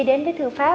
khi đến với thư pháp